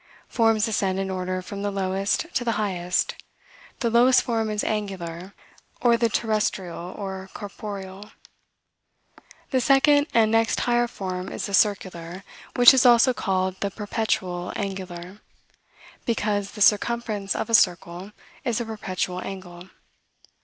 "Forms ascend in order from the lowest to the highest. The lowest form is angular, or the terrestrial and corporeal. The second and next higher form is the circular, which is also called the perpetual angular, because the circumference of a circle is a perpetual angle.